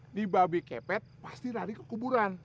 di babi kepet pasti lari ke kuburan